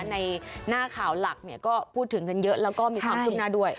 ในหน้าข่าวหลักก็พูดถึงกันเยอะแล้วก็มีความขึ้นหน้าด้วย